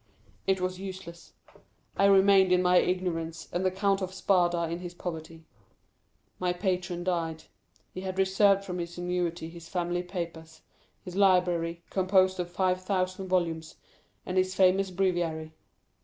It was useless. I remained in my ignorance, and the Count of Spada in his poverty. "My patron died. He had reserved from his annuity his family papers, his library, composed of five thousand volumes, and his famous breviary.